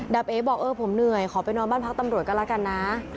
เอ๊บอกเออผมเหนื่อยขอไปนอนบ้านพักตำรวจก็แล้วกันนะ